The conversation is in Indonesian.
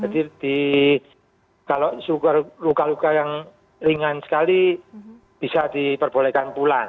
jadi kalau luka luka yang ringan sekali bisa diperbolehkan pulang